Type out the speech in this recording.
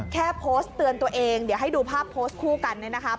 แค่โพสต์เตือนตัวเองเดี๋ยวให้ดูภาพโพสต์คู่กันเนี่ยนะคะ